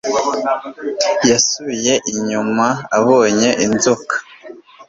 Yasubiye inyuma abonye inzoka